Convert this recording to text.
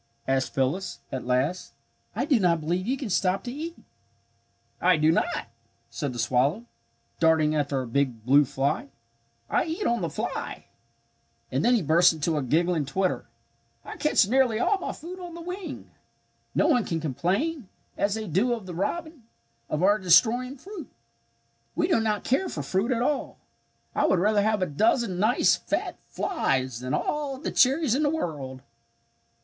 asked Phyllis, at last. "I do not believe you even stop to eat." "I do not," said the swallow, darting after a big blue fly. "I eat on the fly." And then he burst into a giggling twitter. "I catch nearly all my food on the wing. No one can complain as they do of the robin of our destroying fruit. "We do not care for fruit at all. I would rather have a dozen nice fat flies than all the cherries in the world!"